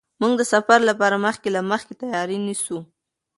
موږ د سفر لپاره مخکې له مخکې تیاری نیسو.